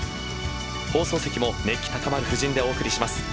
放送席も熱気高まる布陣でお送りします。